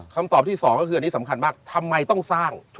คำตอบที่๒ก็คืออันนี้สำคัญมากทำไมต้องสร้าง